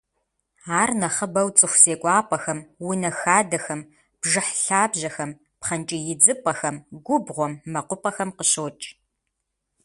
Ар нэхъыбэу цӏыху зекӏуапӏэхэм, унэ хадэхэм, бжыхь лъабжьэхэм, пхъэнкӏий идзыпӏэхэм, губгъуэм, мэкъупӏэхэм къыщокӏ.